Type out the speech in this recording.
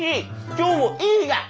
今日もいい日だ。